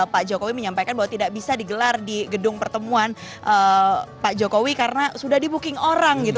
pak jokowi menyampaikan bahwa tidak bisa digelar di gedung pertemuan pak jokowi karena sudah di booking orang gitu